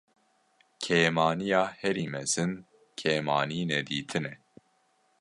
Kêmaniya herî mezin kêmanînedîtin e.